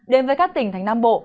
đến với các tỉnh thành nam bộ